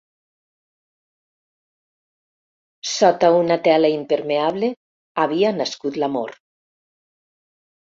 Sota una tela impermeable havia nascut l'amor.